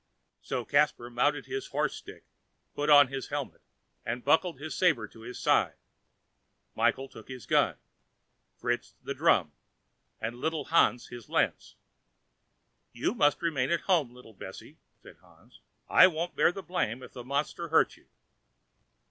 So Caspar mounted his horse stick, put on his helmet, and buckled his saber to his side; Michael took his gun, Fritz the drum, and little Hans his lance. "You must remain at home, little Bessy," said Hans; "I won't bear the blame if the monster hurts you."